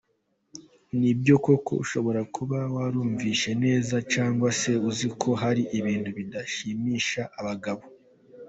Nibyo koko ushobora kuba warumvise neza cyangwa se uzi ko hari ibintu bidashimisha abagabo.